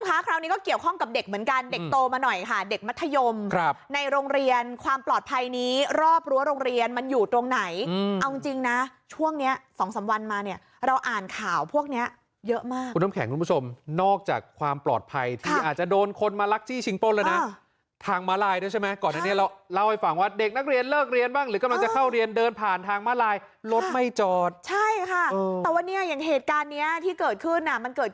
ค่ะคราวนี้ก็เกี่ยวข้องกับเด็กเหมือนกันเด็กโตมาหน่อยค่ะเด็กมัธยมครับในโรงเรียนความปลอดภัยนี้รอบรั้วโรงเรียนมันอยู่ตรงไหนเอาจริงนะช่วงเนี้ยสองสามวันมาเนี้ยเราอ่านข่าวพวกเนี้ยเยอะมากคุณต้มแข็งคุณผู้ชมนอกจากความปลอดภัยที่อาจจะโดนคนมาลักจี้ชิงป้นแล้วน่ะอ่าทางมาลายด้วยใช่ไหมก่